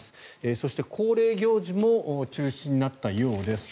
そして、恒例行事も中止になったようです。